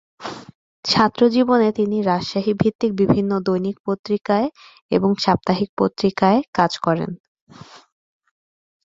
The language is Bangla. ছাত্রজীবনে তিনি রাজশাহী ভিত্তিক বিভিন্ন দৈনিক পত্রিকায় এবং সাপ্তাহিক পত্রিকায় কাজ করেন।